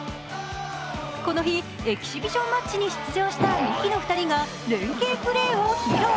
この日、エキシビションマッチに出場したミキの２人が連係プレーを披露。